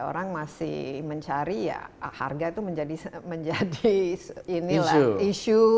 orang masih mencari ya harga itu menjadi isu